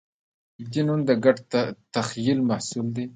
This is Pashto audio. دین هم د ګډ تخیل محصول دی.